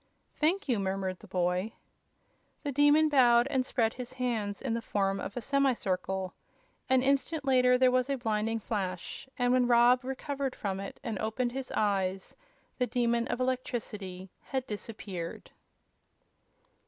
"Thank you," murmured the boy. The Demon bowed and spread his hands in the form of a semi circle. An instant later there was a blinding flash, and when Rob recovered from it and opened his eyes the Demon of Electricity had disappeared.